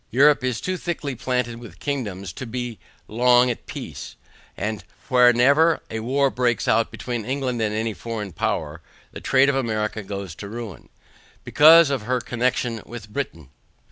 Europe is too thickly planted with kingdoms to be long at peace, and whenever a war breaks out between England and any foreign power, the trade of America goes to ruin, BECAUSE OF HER CONNECTION WITH BRITAIN.